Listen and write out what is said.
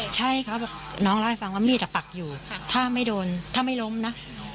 ใช่ครับน้องร้ายฟังว่ามีดล้มปักอยู่ถ้าไม่ล้มครับ